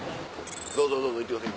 どうぞどうぞ行ってください。